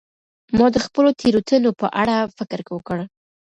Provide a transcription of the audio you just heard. ما د خپلو تیروتنو په اړه فکر وکړ.